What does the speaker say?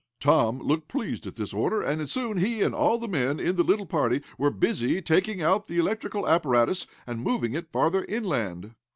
Tom looked pleased at this order, and soon he and all the men in the little party were busy taking out the electrical apparatus, and moving it farther inland.